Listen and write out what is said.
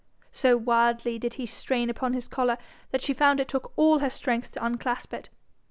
So wildly did he strain upon his collar, that she found it took all her strength to unclasp it.